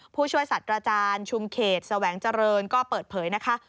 ผู้ช่วยสัตว์อาจารย์ชุมเขตแสวงเจริญก็เปิดเผยนะคะ